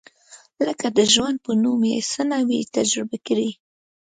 لکه د ژوند په نوم یې څه نه وي تجربه کړي.